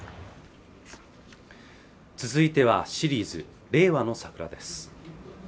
続いてはシリーズ「令和のサクラ」です